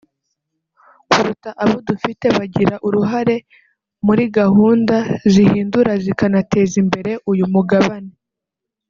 kuruta abo dufite bagira uruhare muri gahunda zihindura zikanateza imbere uyu mugabane